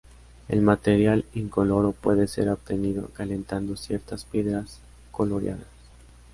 El material incoloro puede ser obtenido calentando ciertas piedras coloreadas.